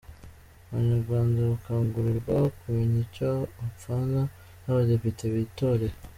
Abanyarwanda barakangurirwa kumenya icyo bapfana n’abadepite bitoreye